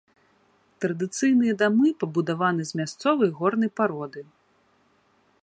Традыцыйныя дамы пабудаваны з мясцовай горнай пароды.